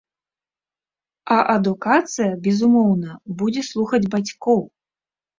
А адукацыя, безумоўна, будзе слухаць бацькоў.